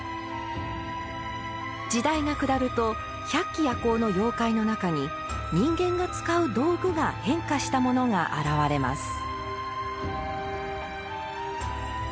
時代が下ると百鬼夜行の妖怪の中に人間が使う道具が変化したものが現れます。